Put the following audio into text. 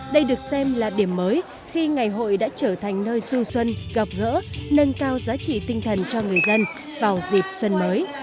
đây được xem là điểm mới khi ngày hội đã trở thành nơi xu xuân gặp gỡ nâng cao giá trị tinh thần cho người dân vào dịp xuân mới